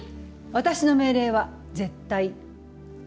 私の命令は絶対。